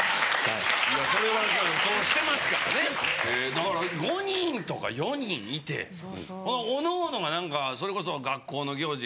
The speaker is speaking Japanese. だから５人とか４人いて各々がなんかそれこそ学校の行事